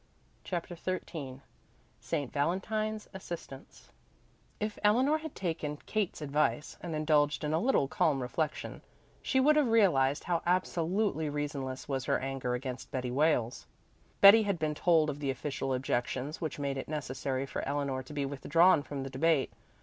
CHAPTER XIII SAINT VALENTINE'S ASSISTANTS If Eleanor had taken Kate's advice and indulged in a little calm reflection, she would have realized how absolutely reasonless was her anger against Betty Wales. Betty had been told of the official objections which made it necessary for Eleanor to be withdrawn from the debate.